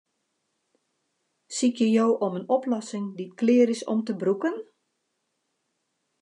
Sykje jo om in oplossing dy't klear is om te brûken?